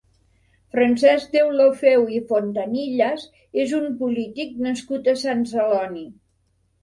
Francesc Deulofeu i Fontanillas és un polític nascut a Sant Celoni.